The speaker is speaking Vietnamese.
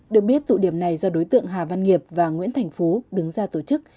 được biết tụ điểm này do đối tượng hà văn nghiệp và nguyễn thành phú đứng ra tổ chức